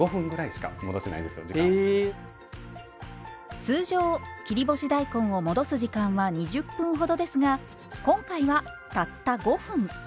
通常切り干し大根を戻す時間は２０分ほどですが今回はたった５分。